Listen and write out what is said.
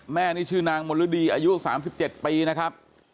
แม่นี่ชื่อนางมฤดีอายุ๓๗ปีนะครับ